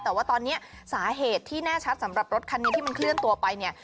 แต่ว่าตอนนี้สาเหตุที่แน่ชัดสำหรับรถคันนี้ที่มันเคลื่อนตัวไปเนี่ย